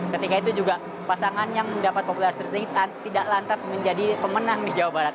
ketika itu juga pasangan yang mendapat popularitas tertinggi tidak lantas menjadi pemenang di jawa barat